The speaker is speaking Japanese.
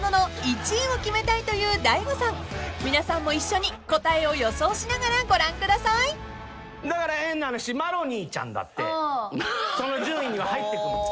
［皆さんも一緒に答えを予想しながらご覧ください］だから変な話マロニーちゃんだってその順位には入ってくる。